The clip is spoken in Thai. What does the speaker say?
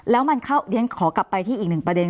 แล้วมันเข้าเรียนขอกลับไปที่อีกหนึ่งประเด็น